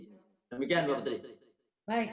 demikian pak petri